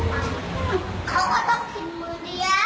ไม่ได้นะคะขุมขามีนิดหนึ่งก็รอประมาณสี่หนึ่งเดี๋ยว